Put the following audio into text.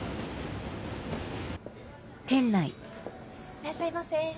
いらっしゃいませ。